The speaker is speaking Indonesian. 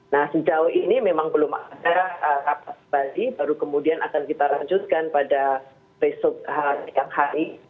nah sejauh ini memang belum ada rapat lagi baru kemudian akan kita lanjutkan pada besok siang hari